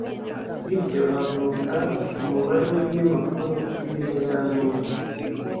bityo havuka umubare w ibinyamakuru by ibihezanguni